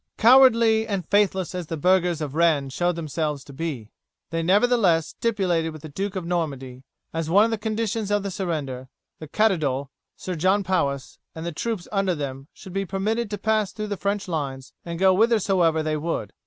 Cowardly and faithless as the burghers of Rennes showed themselves to be, they nevertheless stipulated with the Duke of Normandy, as one of the conditions of the surrender, that Caddoudal, Sir John Powis, and the troops under them should be permitted to pass through the French lines and go whithersoever they would.